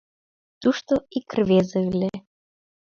Тушто ик рвезе ыле.